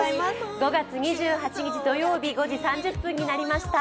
５月２８日土曜日、５時３０分になりました。